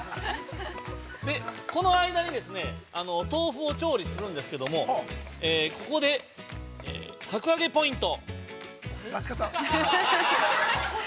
この間に、豆腐を調理するんですけども、ここで、格上げポイント。